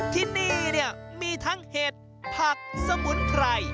ที่นี่เนี่ยมีทั้งเห็ดผักสมุนไพร